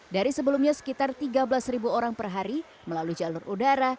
dari sebelumnya sekitar tiga belas orang per hari melalui jalur udara